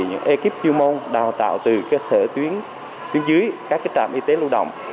những ekip chuyên môn đào tạo từ cơ sở tuyến dưới các trạm y tế lưu động